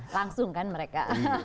langsung kan mereka